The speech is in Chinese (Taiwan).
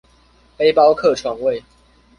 背包客床位